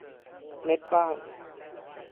เน็ตบ้าน